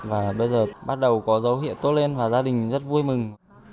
và bây giờ bắt đầu có dấu hiệu tốt lên và gia đình rất vui mừng